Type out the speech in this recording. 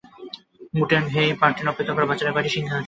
মুটেন্ডে - hey, Martin অপেক্ষা কর, বাচ্চারা - কয়টি সিংহ আছে?